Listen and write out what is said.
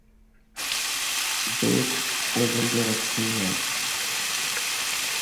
پيپ ٽيبل تي رکي هي.